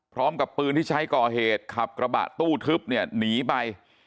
พร้อมกับปืนที่ใช้ก่อเหตุขับกระบะตู้ทึบเนี่ยหนีไป